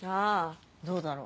どうだろう？